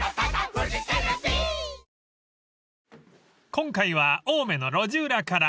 ［今回は青梅の路地裏から。